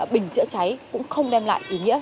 bình chữa cháy cũng không đem lại ý nghĩa